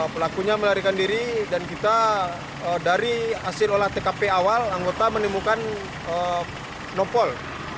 pelakunya melarikan diri dan kita dari hasil olah tkp awal anggota menemukan nopol